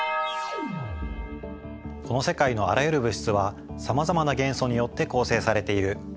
この世界のあらゆる物質はさまざまな元素によって構成されている。